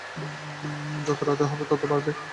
যত রাত হবে, তত বাড়বে।